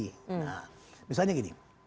nah misalnya gini